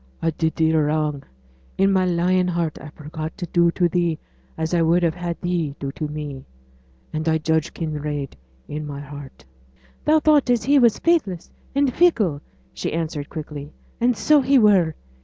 'I did thee a wrong. In my lying heart I forgot to do to thee as I would have had thee to do to me. And I judged Kinraid in my heart.' 'Thou thought as he was faithless and fickle,' she answered quickly; 'and so he were.